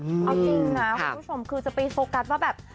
เอาจริงนะคุณผู้ชมคือจะไปโฟกัสว่าแบบ